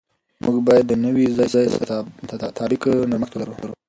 موږ باید د نوي ځای سره د تطابق نرمښت ولرو.